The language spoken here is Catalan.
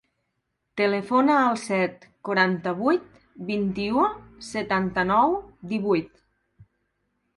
Telefona al set, quaranta-vuit, vint-i-u, setanta-nou, divuit.